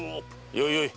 よいよい。